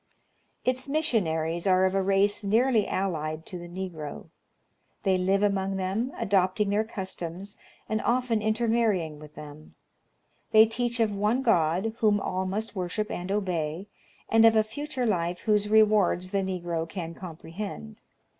Ill Its missionaries are of a race nearly allied to the Negro. They live among them, adopting their customs, and often intermarry ing with them. They teach of one God, whom all must worship and obey, and of a future life whose rewards the Negro can com prehend.